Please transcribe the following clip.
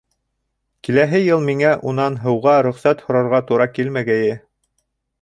Киләһе йыл миңә унан һыуға рөхсәт һорарға тура килмәгәйе!